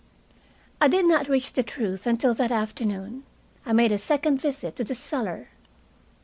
I did not reach the truth until, that afternoon, I made a second visit to the cellar.